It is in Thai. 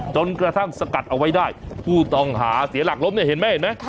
จนกระทั่งสกัดเอาไว้ได้ผู้ต้องหาเสียหลักล้มเนี่ยเห็นไหมเห็นไหม